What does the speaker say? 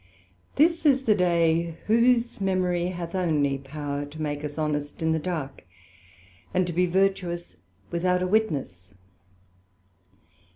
This is the day whose memory hath onely power to make us honest in the dark, and to be vertuous without a witness.